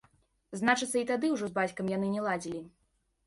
Значыцца, і тады ўжо з бацькам яны не ладзілі.